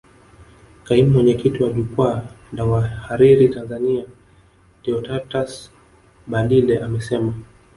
Kaimu mwenyekiti wa jukwaa la wahariri Tanzania Deodatus Balile amesema